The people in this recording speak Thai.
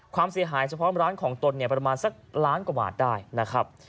ความเสียหายเฉพาะร้านของตนเนี่ยประมาณสักล้านกว่าบาทได้นะครับ